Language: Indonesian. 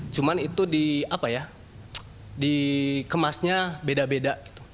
cuman itu di kemasnya beda beda